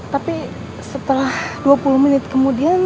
tapi setelah dua puluh menit kemudian